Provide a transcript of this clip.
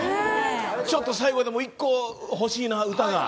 ちょっと最後でも１個ほしいな、歌が。